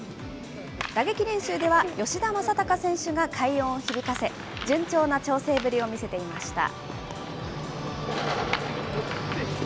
打撃練習では吉田正尚選手が快音を響かせ、順調な調整ぶりを見せていました。